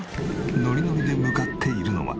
ノリノリで向かっているのは。